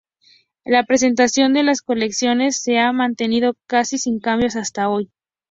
La presentación de las colecciones se ha mantenido casi sin cambios hasta hoy.